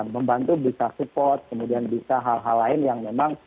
membantu bisa support kemudian bisa hal hal lain yang memang